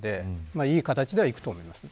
いい形ではいくと思います。